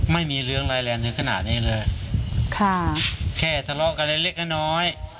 ไม่มีเรื่องร้ายแรงอะไรขนาดนี้เลยแค่สละกันเล็กน้อย